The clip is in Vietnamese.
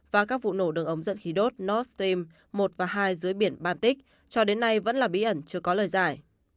và các vụ nổ đường ống dẫn khí đốt northam một và hai dưới biển baltic cho đến nay vẫn là bí ẩn chưa có lời giải